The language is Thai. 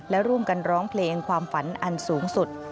และร่วมกันร้องเพลงความฝันอันสูงสุด